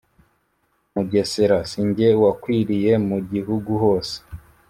Mugesera sinjye wakwiriye mu gihugu hose”